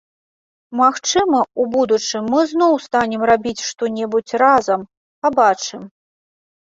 Магчыма, у будучым мы зноў станем рабіць што-небудзь разам, пабачым.